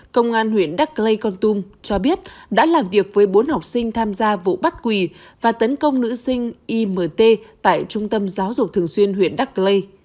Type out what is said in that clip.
công an huyện đắk rê con tung cho biết đã làm việc với bốn học sinh tham gia vụ bắt quỳ và tấn công nữ sinh imt tại trung tâm giáo dục thường xuyên huyện đắk rê